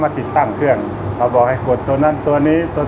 สวัสดีครับผมชื่อสามารถชานุบาลชื่อเล่นว่าขิงถ่ายหนังสุ่นแห่ง